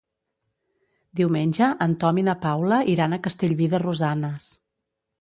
Diumenge en Tom i na Paula iran a Castellví de Rosanes.